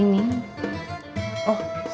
terima kasih ya